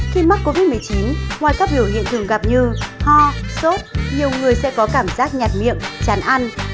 khi mắc covid một mươi chín ngoài các biểu hiện thường gặp như ho sốt nhiều người sẽ có cảm giác nhạt miệng chán ăn